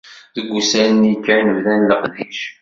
Deg wussan-nni kan bdan leqdic.